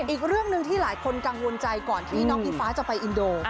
อีกเรื่องหนึ่งที่หลายคนกังวลใจก่อนที่น้องอิงฟ้าจะไปอินโด